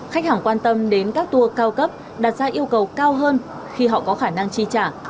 khách hàng quan tâm đến các tour cao cấp đặt ra yêu cầu cao hơn khi họ có khả năng chi trả